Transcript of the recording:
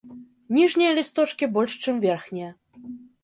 Ніжнія лісточкі больш, чым верхнія.